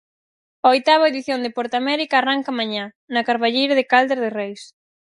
A oitava edición do Portamérica arranca mañá, na Carballeira de Caldas de Reis.